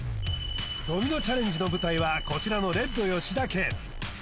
ドミノチャレンジの舞台はこちらのレッド吉田家